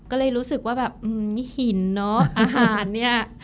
ก็เลยรู้สึกว่าแบบหินเนอะอาหารเนี่ย